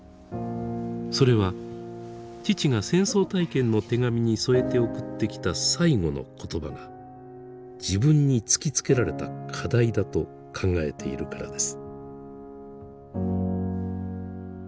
それは父が戦争体験の手紙に添えて送ってきた最後の言葉が自分に突きつけられた課題だと考えているからです。